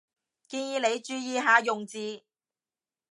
建議你注意下用字